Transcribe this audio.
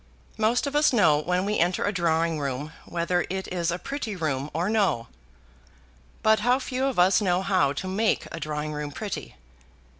Most of us know when we enter a drawing room whether it is a pretty room or no; but how few of us know how to make a drawing room pretty!